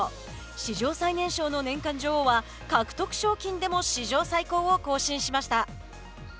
史上最年少の年間女王は獲得賞金でも史上最高を記録しました。